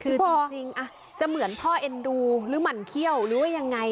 คือคือพ่อเอ็นดูใช่จะเหมือนพ่อเอ็นดูหรือหมานเคี้ยวหรือว่ายังไง